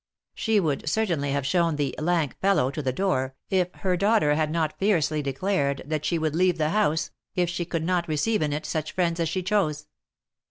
She would certainly have shown " the lank fellow " to the door, if her daughter had not fiercely declared, that she would leave the house, if she could not receive in it such friends as she chose.